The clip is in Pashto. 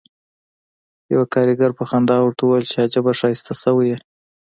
یوه کارګر په خندا ورته وویل چې عجب ښایسته شوی یې